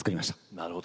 なるほど。